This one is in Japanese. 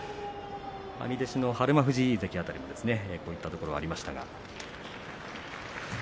兄弟子の日馬富士関もこういったところはありました。